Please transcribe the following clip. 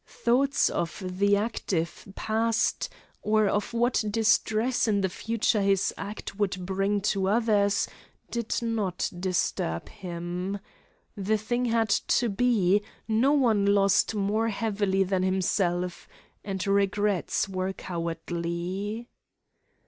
Thoughts of the active past, or of what distress in the future his act would bring to others, did not disturb him. The thing had to be, no one lost more heavily than himself, and regrets were cowardly.